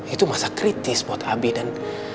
itu masa kritis buat abi dan